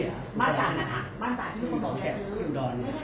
บ้านสุภาลัยที่มีขาวดชื่นอื้น